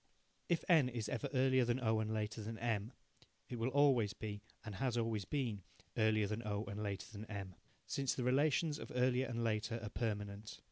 If N is ever earlier than O and later than M, it will always be, and has always been, earlier than O and later than M, since the relations of earlier and later are permanent.